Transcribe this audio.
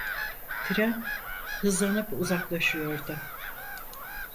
Tren hızlanıp uzaklaşıyordu.